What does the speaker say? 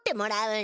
ん？